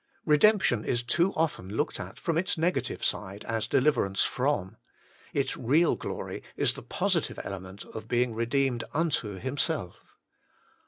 Redemp tion is too often looked at from its negative side as deliverance from : its real glory is the positive element of being redeemed unto Himself.